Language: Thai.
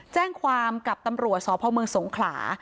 แจ้งความกับตำรวจสพเมืองสงขลา